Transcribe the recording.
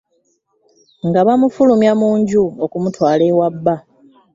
Nga bamufulumya mu nju okumutwala ewa bba .